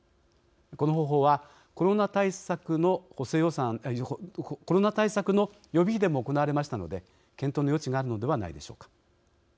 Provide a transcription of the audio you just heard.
この方法は、コロナ対策の予備費でも行われましたので検討の余地があるのではないでしょうか。